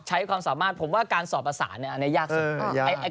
ใช้ความสามารถการสอบอสารอันนี้ยากสุด